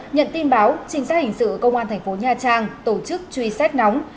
nhận tin báo trinh sát hình sự công an thành phố nha trang tổ chức truy xét nóng